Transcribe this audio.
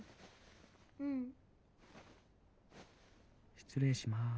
失礼します。